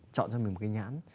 chọn cho mình một cái nhãn